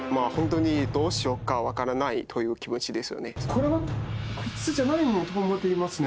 これは靴じゃないと思っていますね。